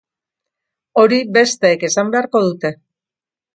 Hori besteek esan beharko dute.